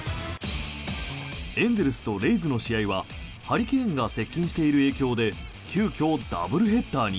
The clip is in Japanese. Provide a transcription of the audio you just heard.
エンゼルスとレイズの試合はハリケーンが接近している影響で急きょ、ダブルヘッダーに。